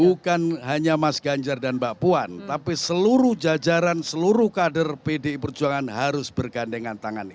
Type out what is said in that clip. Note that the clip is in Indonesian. bukan hanya mas ganjar dan mbak puan tapi seluruh jajaran seluruh kader pdi perjuangan harus bergandengan tangan